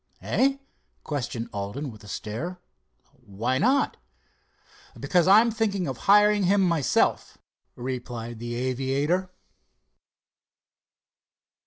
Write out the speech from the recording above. "Eh?" questioned Alden, with a stare, "why not?" "Because I'm thinking of hiring him myself," replied the aviator.